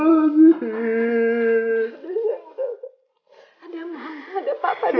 ada mama ada papa di sini